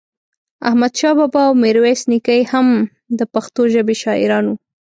احمد شاه بابا او ميرويس نيکه هم دا پښتو ژبې شاعران وو